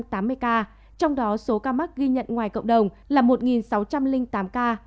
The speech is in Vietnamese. trong đó số ca mắc ghi nhận ngoài cộng đồng là một sáu trăm linh tám ca